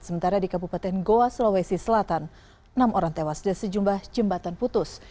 sementara di kabupaten goa sulawesi selatan enam orang tewas dan sejumlah jembatan putus